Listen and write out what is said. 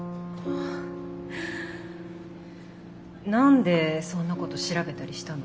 何でそんなこと調べたりしたの？